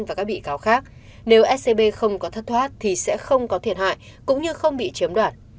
và các bị cáo khác nếu scb không có thất thoát thì sẽ không có thiệt hại cũng như không bị chiếm đoạt